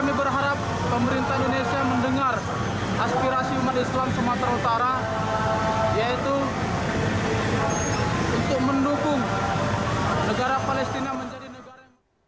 kami berharap pemerintah indonesia mendengar aspirasi umat islam sumatera utara yaitu untuk mendukung negara palestina menjadi negara